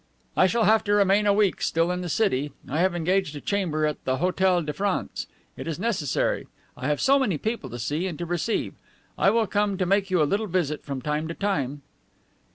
"I shall have to remain a week still in the city. I have engaged a chamber at the Hotel de France. It is necessary. I have so many people to see and to receive. I will come to make you a little visit from time to time."